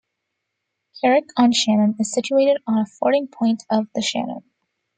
Carrick-on-Shannon is situated on a fording point of the Shannon.